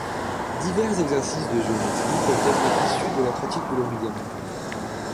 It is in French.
Divers exercices de géométrie peuvent être issus de la pratique de l'origami.